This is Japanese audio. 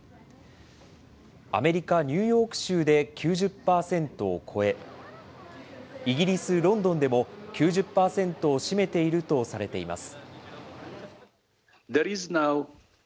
アメリカ・ニューヨーク州で９０％を超え、イギリス・ロンドンでも、９０％を占めているとされています。